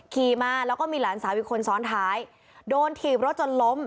ขี่มาแล้วก็มีหลานสาวอีกคนซ้อนท้ายโดนถีบรถจนล้ม